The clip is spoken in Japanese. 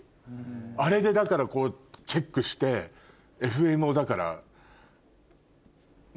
あれでだからこうチェックしてＦＭをだから。